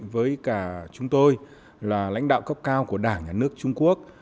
với cả chúng tôi là lãnh đạo cấp cao của đảng nhà nước trung quốc